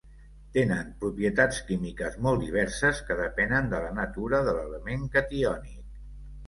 Tenen propietats químiques molt diverses que depenen de la natura de l'element catiònic.